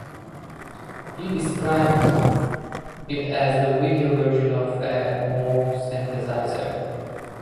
He described it as the video version of a Moog synthesizer.